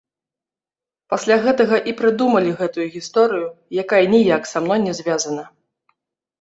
Пасля гэтага і прыдумалі гэтую гісторыю, якая ніяк са мной не звязана.